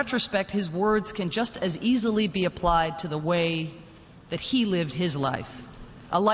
ต่อสถานการณ์คอบครัวสถานการณ์คอบครัว